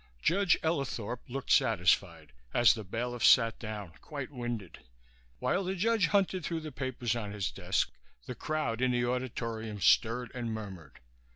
Judge Ellithorp looked satisfied as the bailiff sat down, quite winded. While the judge hunted through the papers on his desk the crowd in the auditorium stirred and murmured.